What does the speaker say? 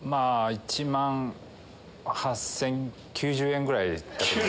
１万８０９０円ぐらいだと思う。